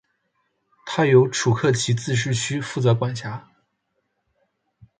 它由楚科奇自治区负责管辖。